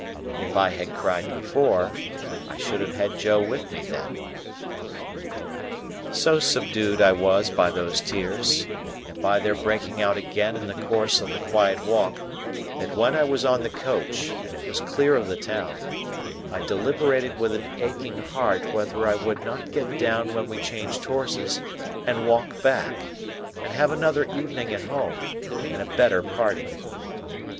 If I had cried before, I should have had Joe with me then. So subdued I was by those tears, and by their breaking out again in the course of the quiet walk, that when I was on the coach, and it was clear of the town, I deliberated with an aching heart whether I would not get down when we changed horses and walk back, and have another evening at home, and a better parting.